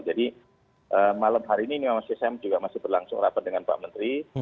jadi malam hari ini nmccm juga masih berlangsung rapat dengan pak menteri